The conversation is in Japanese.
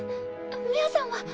ミャアさんは？